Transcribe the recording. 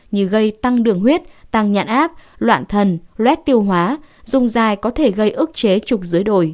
như gây tăng đường huyết tăng nhạn áp loạn thần luet tiêu hóa dùng dài có thể gây ức chế trục dưới đồi